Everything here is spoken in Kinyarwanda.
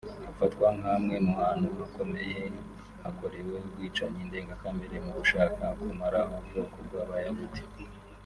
hafatwa nka hamwe mu hantu hakomeye hakorewe ubwicanyi ndengakamere mu gushaka kumaraho ubwoko bw’Abayahudi